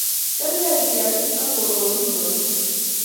Kerkei kiyaki ak kororibo met